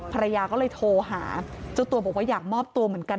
ภรรยาก็เลยโทรหาเจ้าตัวบอกว่าอยากมอบตัวเหมือนกัน